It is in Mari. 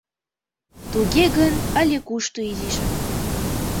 — Туге гын, але кушто изишак.